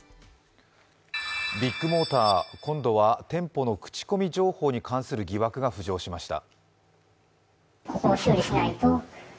ビッグモーター、今度は店舗の口コミ情報に関する疑惑が浮上しました。